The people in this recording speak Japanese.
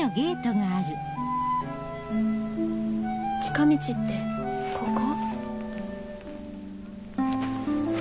近道ってここ？